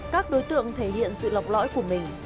các đối tượng thể hiện sự lọc lõi của mình